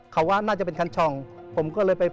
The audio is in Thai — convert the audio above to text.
เขาว่าน่าจะเป็นคันช่องผมก็เลยไป